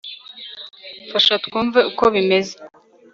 mfasha twumve uko bimeze